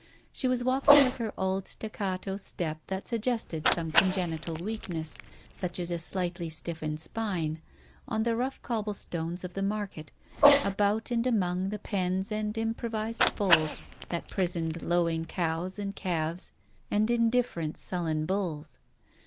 She was walking with her old staccato step that sug gested some congenital weakness, such as a slightly stiffened spine, on the rough cobbled stones of the market, about and among the pens and improvised folds that prisoned lowing cows and calves and indifferent, sullen bulls.